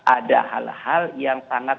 ada hal hal yang sangat